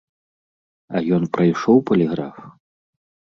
А ён прайшоў паліграф?